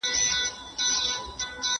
کمپيوټر هاسټينګ کوي.